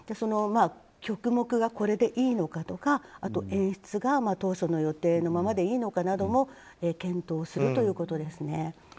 曲目がこれでいいのかとかあと、演出が当初の予定のままでいいのかなども検討するということです。